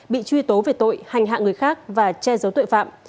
bị truy tố về tội hành hạ người khác và che giấu tội phạm